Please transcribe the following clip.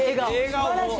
すばらしい。